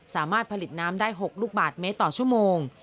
สามารถผลิตน้ำได้๖ลูกบาทเมตรต่อชั่วโมง